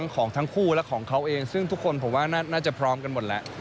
ของทั้งคู่และของเขาเองซึ่งทุกคนผมว่าน่าจะพร้อมกันหมดแล้ว